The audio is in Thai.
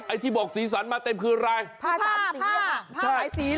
ไอ้ที่บอกสีสันมาเต็มคืออะไรผ้าสีเลย